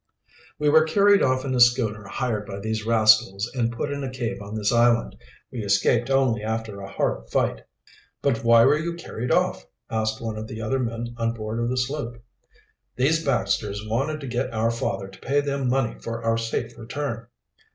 "We were carried off in a schooner hired by these rascals and put in a cave on this island. We escaped only after a hard fight." "But why were you carried off?" asked one of the other men on board of the sloop. "These Baxters wanted to get our father to pay them money for our safe return."